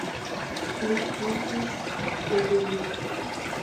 Le Plessis-Belleville